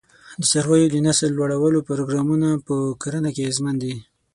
د څارویو د نسل لوړولو پروګرامونه په کرنه کې اغېزمن دي.